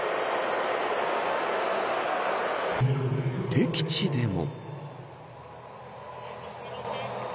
敵地でも。